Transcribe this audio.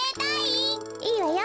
いいわよ。